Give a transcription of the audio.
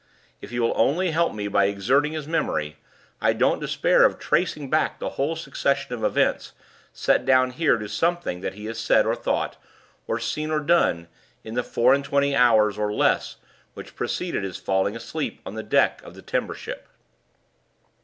If he will only help me by exerting his memory, I don't despair of tracing back the whole succession of events set down here to something that he has said or thought, or seen or done, in the four and twenty hours, or less, which preceded his falling asleep on the deck of the timber ship."